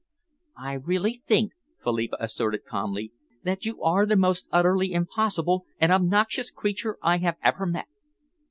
"I really think," Philippa asserted calmly, "that you are the most utterly impossible and obnoxious creature I have ever met."